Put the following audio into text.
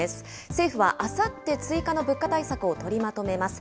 政府はあさって、追加の物価対策を取りまとめます。